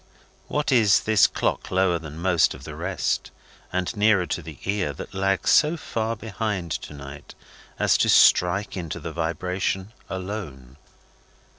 What is this clock lower than most of the rest, and nearer to the ear, that lags so far behind to night as to strike into the vibration alone?